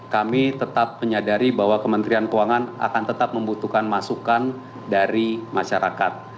kami tetap menyadari bahwa kementerian keuangan akan tetap membutuhkan masukan dari masyarakat